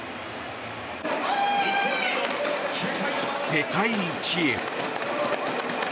世界一へ。